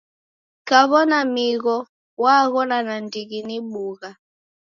Kaw'ona migho waghona nandighi ni bugha!